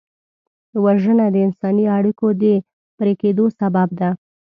وژنه د انساني اړیکو د پرې کېدو سبب ده